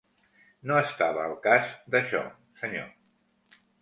No estava al cas d'això, senyor.